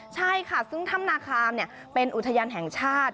ใช่ค่ะซึ่งธรรมนาคาเนี่ยเป็นอุทยานแห่งชาติ